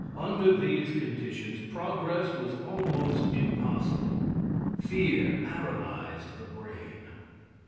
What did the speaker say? Under these conditions progress was almost impossible. Fear paralyzed the brain.